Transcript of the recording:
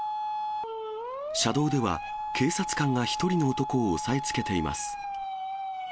車道では、警察官が１人の男を押さえつけています。